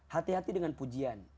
hati hati dengan pujian